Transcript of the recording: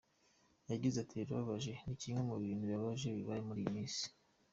Yagize ati "Birababaje, ni kimwe mu bintu bibabaje bibaye muri iyi minsi”.